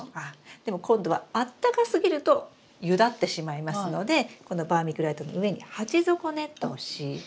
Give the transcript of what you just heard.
でも今度はあったかすぎるとゆだってしまいますのでこのバーミキュライトの上に鉢底ネットを敷いて。